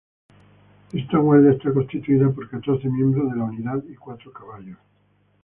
Esta guardia está constituida por catorce miembros de la unidad y cuatro caballos.